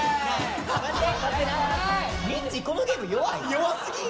弱すぎん？